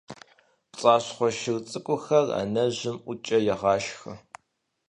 ПцӀащхъуэ шыр цӀыкӀухэр анэжьым ӀукӀэ егъашхэ.